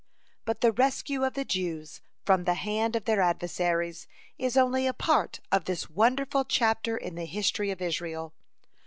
(2) But the rescue of the Jews from the hand of their adversaries is only a part of this wonderful chapter in the history of Israel.